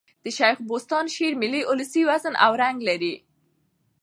د شېخ بُستان شعر ملي اولسي وزن او آهنګ لري.